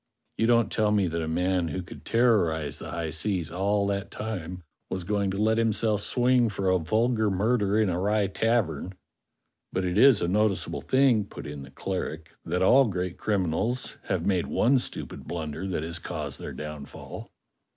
You don't tell me that a man who 48 DOCTOR SYN could terrorize the high seas all that time was going to let himself swing for a vulgar murder in a Rye tavern." "But it is a noticeable thing," put in the cleric, " that all great criminals have made one stupid blunder that has caused their downfall."